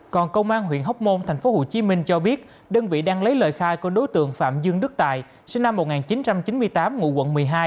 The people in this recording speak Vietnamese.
còn công an huyện hóc môn tp hcm cho biết đơn vị đang lấy lời khai của đối tượng phạm dương đức tài sinh năm một nghìn chín trăm chín mươi tám ngụ quận một mươi hai